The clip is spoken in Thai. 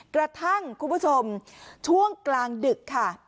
คุณผู้ชมช่วงกลางดึกค่ะ